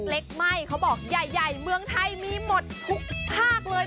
เล็กไหม้เขาบอกใหญ่เมืองไทยมีหมดทุกภาคเลย